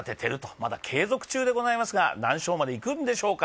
まだ継続中でございますが、何勝までいくんでしょうか。